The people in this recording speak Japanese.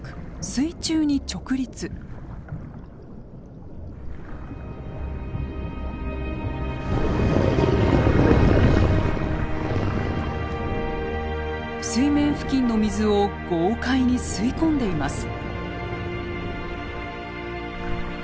水面付近の水を豪快に吸い込んでいます。